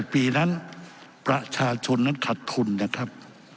ปีนั้นประชาชนนั้นขัดทุนนะครับ